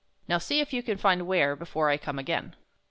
Now, see if you can find where before I come again."